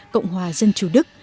cộng hòa giáo dục